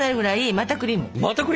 またクリーム？